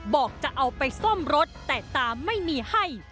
บอกจะเอาไปซ่อมรถแต่ตาไม่มีให้